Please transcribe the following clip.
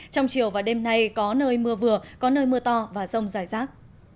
trong chiều và đêm nay có nơi mưa vừa có nơi mưa to và rông rải rác